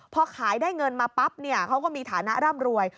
พอขายได้เงินมาปั๊บเขาก็มีฐานะร่ำรวย